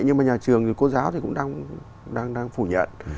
nhưng mà nhà trường thì cô giáo thì cũng đang phủ nhận